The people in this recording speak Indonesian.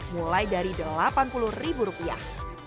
mulai dari delapan puluh ribu rupiah